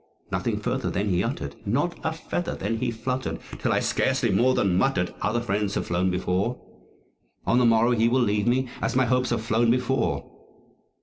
Nothing further then he uttered; not a feather then he fluttered Till I scarcely more than muttered, "Other friends have flown before On the morrow he will leave me, as my Hopes have flown before."